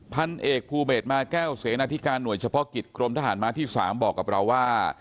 พันเอกภูเดชมาแก้วเสนาธิการหน่วยเฉพาะกิจกรมทหารมาที่๓บอกกับเราว่า